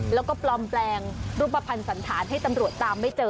แล้วก็ปลอมแปลงรูปภัณฑ์สันธารให้ตำรวจตามไม่เจอ